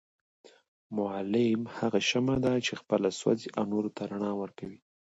معلم هغه شمعه چي خپله سوزي او نورو ته رڼا ورکوي